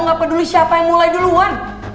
gua gak peduli siapa yang mulai duluan